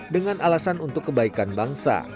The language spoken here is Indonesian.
dengan alasan untuk kebaikan bangsa